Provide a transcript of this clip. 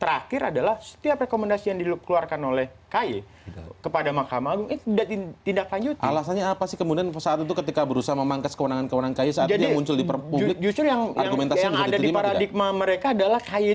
artinya apa mereka sendiri